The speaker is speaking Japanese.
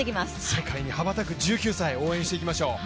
世界に羽ばたく１９歳を応援していきましょう。